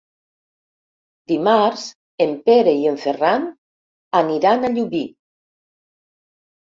Dimarts en Pere i en Ferran aniran a Llubí.